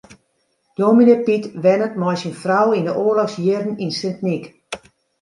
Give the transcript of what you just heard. Dominee Pyt wennet mei syn frou yn de oarlochsjierren yn Sint Nyk.